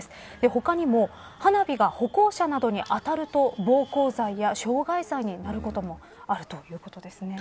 他にも、花火が歩行者などに当たると暴行罪や傷害罪になることもあるということですね。